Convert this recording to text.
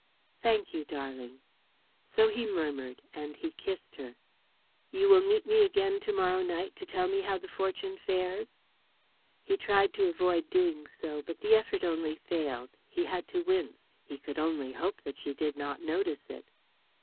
"Thank you, darling," So he murmured, and he kissed her. "You will meet me again to morrow night to tell me how the fortune fares?" He tried to avoid doing so; but the effort only failed he had to wince. He could only hope that she did not notice it.